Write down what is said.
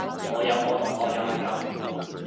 我有個同學又係噉